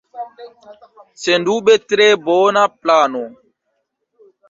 Sendube tre bona plano!